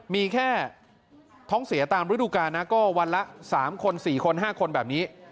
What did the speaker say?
มีแค่ท้องเสียตามฤดูกาก็วันละ๓๔คนอย่างนี้